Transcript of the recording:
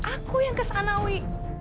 aku yang kesana wi